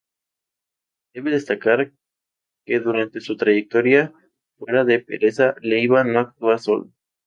Cabe destacar que durante su trayectoria fuera de Pereza, Leiva no actúa solo.